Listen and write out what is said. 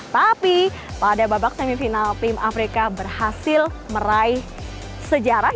tapi pada babak semifinal tim afrika berhasil meraih sejarah